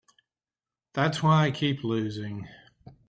That's why I keep losing.